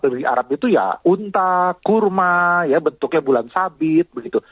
dari arab itu ya unta kurma ya bentuknya bulan sabit begitu